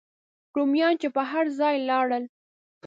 رومیان چې به هر ځای لاړل.